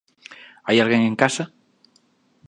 Hai alguén en casa?